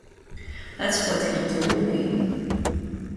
That's what he told me.